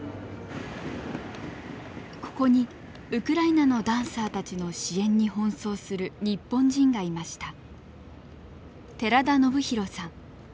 ここにウクライナのダンサーたちの支援に奔走する日本人がいました。